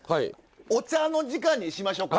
お茶の時間にしましょか。